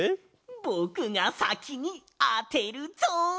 ぼくがさきにあてるぞ！